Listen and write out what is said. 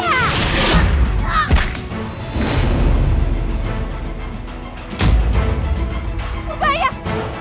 tess sebelum kamu menanggung bintang